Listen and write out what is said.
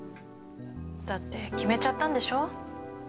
だって決めちゃったんでしょ